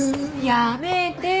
やめて。